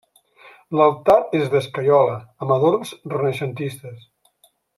L'altar és d'escaiola, amb adorns renaixentistes.